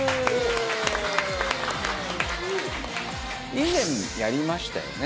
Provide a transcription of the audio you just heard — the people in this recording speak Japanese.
以前やりましたよね？